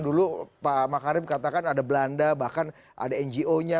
dulu pak makarim katakan ada belanda bahkan ada ngo nya